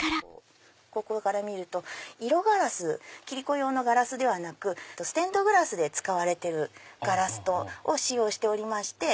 ここから見ると色ガラス切子用のガラスではなくステンドグラスで使われてるガラスを使用しておりまして。